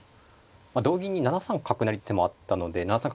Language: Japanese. まあ同銀に７三角成っていう手もあったので７三角成同金